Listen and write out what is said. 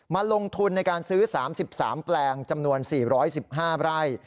มาลงทุนในการซื้อ๓๓แปลงจำนวน๔๑๕ไร่